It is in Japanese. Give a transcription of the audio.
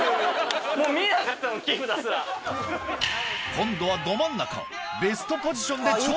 今度はど真ん中撒けよ！